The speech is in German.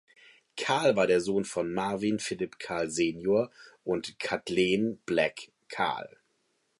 Kahl war der Sohn von Marvin Philip Kahl senior und Kathleen Black Kahl.